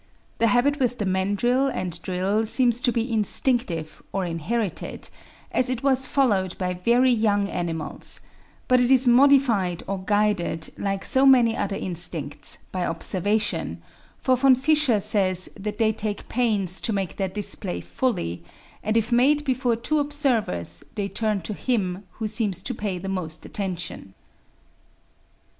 The habit with the mandrill and drill seems to be instinctive or inherited, as it was followed by very young animals; but it is modified or guided, like so many other instincts, by observation, for Von Fischer says that they take pains to make their display fully; and if made before two observers, they turn to him who seems to pay the most attention.